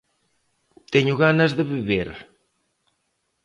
Teño ganas de beber.